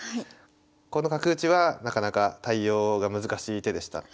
この角打ちはなかなか対応が難しい手でした。